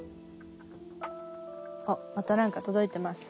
あっまた何か届いてます。